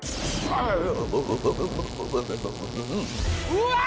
うわ！